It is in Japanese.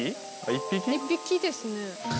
１匹ですね。